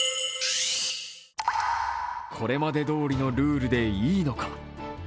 これまでどおりのルールでいいのか。